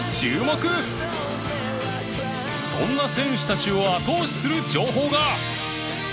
そんな選手たちを後押しする情報が！